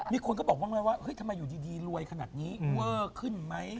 มีคนก็บอกว่าไงว่าเฮ้ยทำไมอยู่ดีรวยขนาดนี้เวอร์ขึ้นไหม